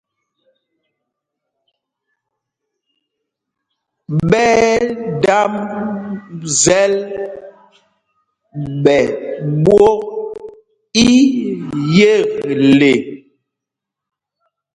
Ɓɛ̂ damb zɛl ɓɛ ɓwok iyekle.